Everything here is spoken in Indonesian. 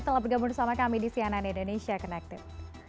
telah bergabung bersama kami di cnn indonesia connected